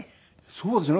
そうですね。